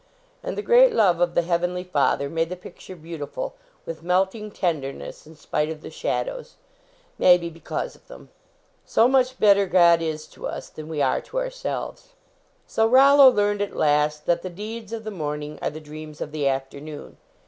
And the great love of the Heavenly Father made the picture beautiful with melting ten derness in spite of the shadows ; maybe be cause of them. So much better God is to us than we are to ourselves. So Rollo learned at last that the deeds of the morning arc the dreams of the afternoon.